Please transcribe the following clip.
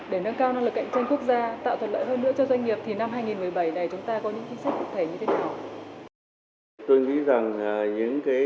để nâng cao năng lực cạnh tranh quốc gia tạo thuận lợi hơn nữa cho doanh nghiệp thì năm hai nghìn một mươi bảy này chúng ta có những chính sách cụ thể như thế nào